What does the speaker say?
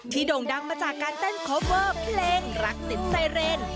โด่งดังมาจากการเต้นโคเวอร์เพลงรักติดไซเรน